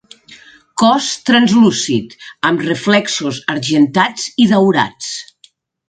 Cos translúcid, amb reflexos argentats i daurats.